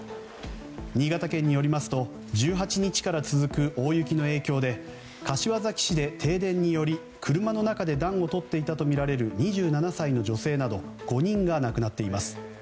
新潟県によりますと１８日から続く大雪の影響で柏崎市で停電により、車の中で暖をとっていたとみられる２７歳の女性など５人が亡くなっています。